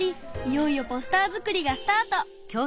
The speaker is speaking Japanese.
いよいよポスター作りがスタート。